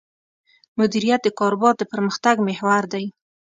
مدیریت د کاروبار د پرمختګ محور دی.